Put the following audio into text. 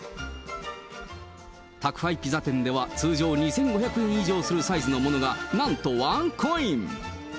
宅配ピザ店では通常２５００円以上するサイズのものが、なんとワンコイン。